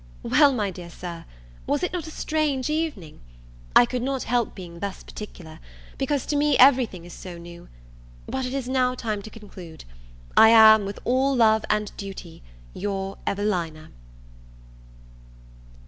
Well, my dear Sir, was it not a strange evening? I could not help being thus particular, because, to me, every thing is so new. But it is now time to conclude. I am, with all love and duty, your EVELINA.